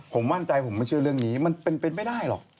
ผมมั่นใจผมไม่เชื่อเรื่องนี้มันเป็นไปไม่ได้หรอก